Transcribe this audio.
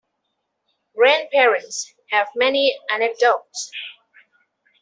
Grandparents have many anecdotes.